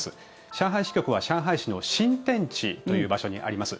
上海支局は上海市の新天地という場所にあります。